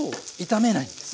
炒めない。